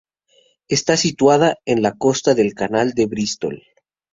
Está situada en la costa del Canal de Bristol.